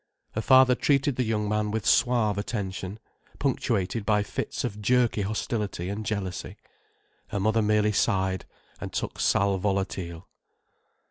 Her father treated the young man with suave attention, punctuated by fits of jerky hostility and jealousy. Her mother merely sighed, and took sal volatile.